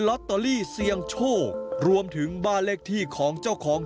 ลอตเตอรี่เสี่ยงโชครวมถึงบ้านเลขที่ของเจ้าของ